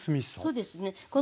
そうですね。